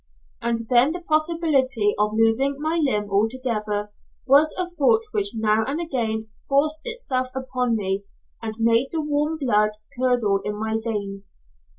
And then the possibility of losing my limb altogether was a thought which now and again forced itself upon me and made the warm blood curdle in my veins.